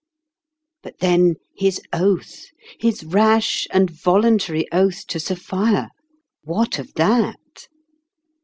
But then his oath his rash and voluntary oath to Sophia what of that